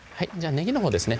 ねぎのほうですね